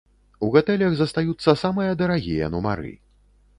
У гатэлях застаюцца самыя дарагія нумары.